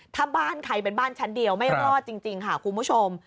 ถ้าบ้านใครเป็นบ้านชั้นเดียวไม่รอดจริงค่ะคุณผู้ชม